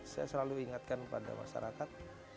saya selalu ingatkan pada masyarakat